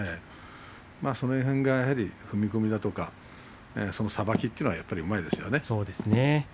その辺、踏み込みだとかそのさばきというのはうまいですね。